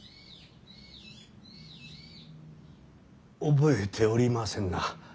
覚えておりませぬな。